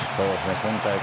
今大会